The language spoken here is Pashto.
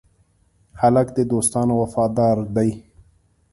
هلک د دوستانو وفادار دی.